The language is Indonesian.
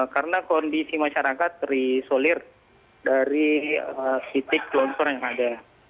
karena kondisi masyarakat risolir dari titik longsor yang ada